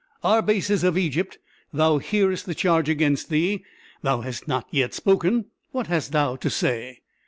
Arbaces of Egypt, thou hearest the charge against thee thou hast not yet spoken what hast thou to say?"